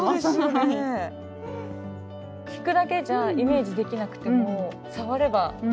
聞くだけじゃイメージできなくても触れば。